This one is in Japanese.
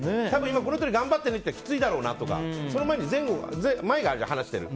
この人にとって頑張ってってきついだろうなとかその前に前があるじゃん話してる。